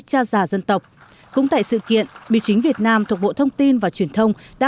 cha già dân tộc cũng tại sự kiện biểu chính việt nam thuộc bộ thông tin và truyền thông đã